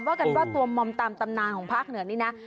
ว่ากันว่าตัวมอมตามตำนานของภาคเหนือนี่นะ